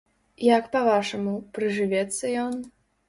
Як па-вашаму, прыжывецца ён?